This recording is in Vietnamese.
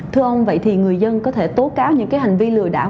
thưa ông vậy thì người dân có thể tố cáo những hành vi lừa đảo